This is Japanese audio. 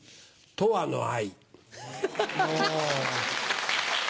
とわの愛。